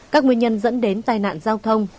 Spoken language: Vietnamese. các nguyên nhân dẫn đến tai nạn giao thông